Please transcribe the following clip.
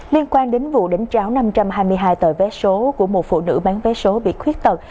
liên quan đến vụ đánh tráo năm trăm hai mươi hai tờ vé số của một phụ nữ bán vé số bị khuyết tật